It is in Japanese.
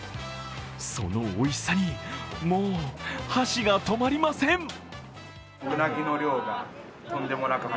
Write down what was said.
そのおいしさに、もう箸が止まりません。